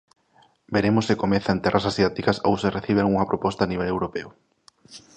Veremos se comeza en terras asiáticas ou se recibe algunha proposta a nivel europeo.